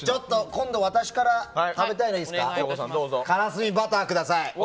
今度、私から食べたいのをいいですか。からすみバターください。